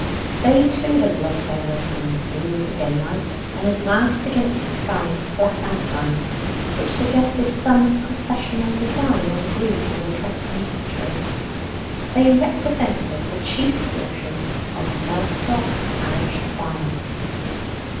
They, too, had lost their rotundity with the daylight, and advanced against the sky in flat outlines, which suggested some processional design on Greek or Etruscan pottery. They represented the chief portion of Mellstock parish choir.